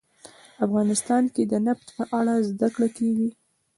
افغانستان کې د نفت په اړه زده کړه کېږي.